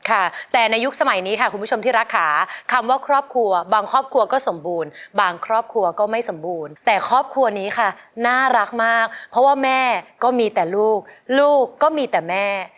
ค่ะแต่ในยุคสมัยนี้ค่ะคุณผู้ชมที่รักค่ะคำว่าครอบครัวบางครอบครัวก็สมบูรณ์บางครอบครัวก็ไม่สมบูรณ์แต่ครอบครัวนี้ค่ะน่ารักมากเพราะว่าแม่ก็มีแต่ลูกลูกก็มีแต่แม่